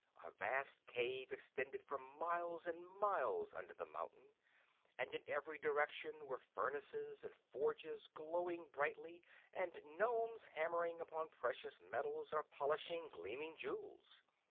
A vast cave extended for miles and miles under the mountain, and in every direction were furnaces and forges glowing brightly and Nomes hammering upon precious metals or polishing gleaming jewels.